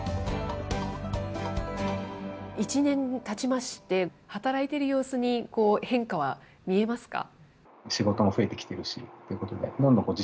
１年たちまして、働いている様子に変化は見えますか？